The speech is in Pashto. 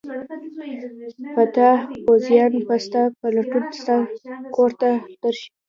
فاتح پوځیان به ستا په لټون ستا کور ته درشي.